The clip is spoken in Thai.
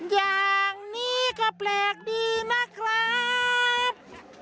อย่างนี้ก็แปลกดีนะครับ